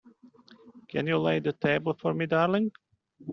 Can you lay the table for me, darling?